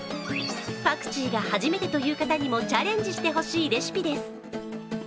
パクチーが初めてという方にもチャレンジしてほしいレシピです。